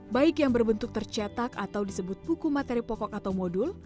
baik yang berbentuk tercetak atau disebut buku materi pokok atau modul